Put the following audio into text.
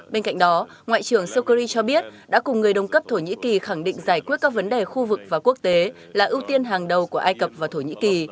bên cạnh đó ngoại trưởng sokri cho biết đã cùng người đồng cấp thổ nhĩ kỳ khẳng định giải quyết các vấn đề khu vực và quốc tế là ưu tiên hàng đầu của ai cập và thổ nhĩ kỳ